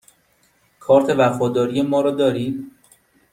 کارت وفاداری ما را دارید؟